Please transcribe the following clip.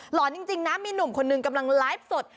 อนจริงนะมีหนุ่มคนหนึ่งกำลังไลฟ์สด